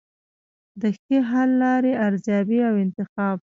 د ښې حل لارې ارزیابي او انتخاب.